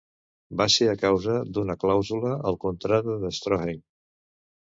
Va ser a causa d'una clàusula al contracte d'Stroheim.